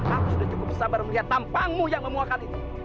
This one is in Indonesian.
aku sudah cukup sabar melihat tampangmu yang memuakan ini